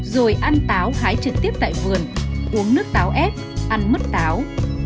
rồi ăn táo hái trực tiếp tại vườn uống nước táo ép ăn mất táo